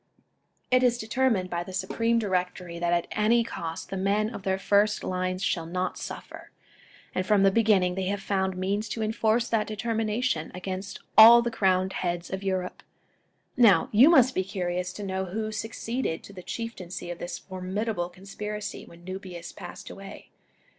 It is determined by the Supreme Directory that at any cost, the men of their first lines shall not suffer ; and from the beginning they have found means to enforce that determination against all the crowned heads of Europe. Now, you must be curious to know who succeeded to the Chieftaincy of this formidable conspiracy when Nubius passed away.